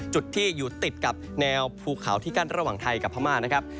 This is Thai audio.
จุดที่อยู่ติดกับแนวภูเขาที่กั้นระหว่างไทยกับพม่านะครับ